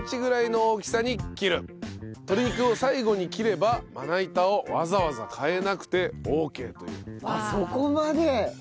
鶏肉を最後に切ればまな板をわざわざ変えなくてオーケーという。